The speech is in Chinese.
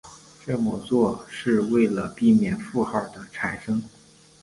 这么做是为了避免负号的产生。